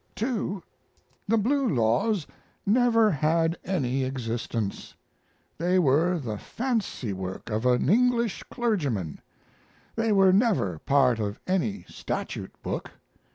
2. The Blue Laws never had any existence. They were the fancy work of an English clergyman; they were never a part of any statute book.